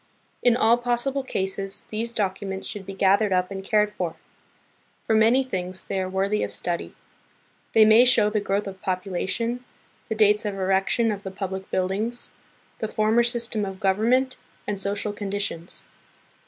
In all possible cases these documents should be gathered up and cared for. For many things, they are worthy of study. They may show the growth of population, the dates of erection of the public buildings, the former system of government, and social conditions.